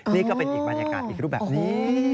นี่ก็เป็นอีกบรรยากาศอีกรูปแบบนี้